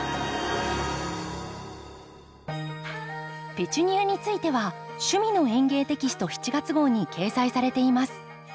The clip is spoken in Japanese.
ペチュニアについては「趣味の園芸」テキスト７月号に掲載されています。